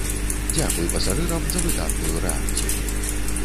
Дзякуй пасажырам за выдатную рэакцыю.